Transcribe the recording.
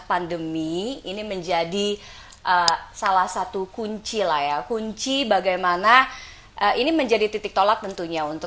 pandemi ini menjadi salah satu kunci lah ya kunci bagaimana ini menjadi titik tolak tentunya untuk